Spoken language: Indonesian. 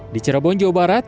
di cirebon jawa barat